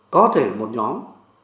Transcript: có thể một nhóm